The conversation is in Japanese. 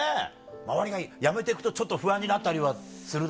周りが辞めて行くとちょっと不安になったりはするだろうね。